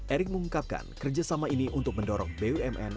erick mengungkapkan kerjasama ini untuk mendorong bumn